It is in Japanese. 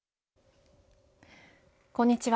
こんにちは。